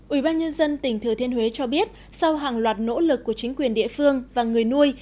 ủy ban nhân dân tỉnh thừa thiên huế cho biết sau hàng loạt nỗ lực của chính quyền địa phương và người nuôi